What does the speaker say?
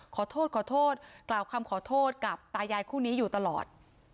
ขอโทษขอโทษกล่าวคำขอโทษกับตายายคู่นี้อยู่ตลอด